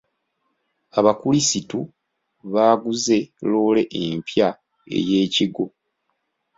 Abakulisitu baaguze loole empya eyekigo.